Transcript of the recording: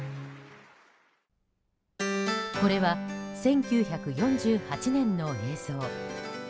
これは１９４８年の映像。